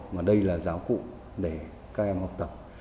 mà đây là giáo cụ để các em học tập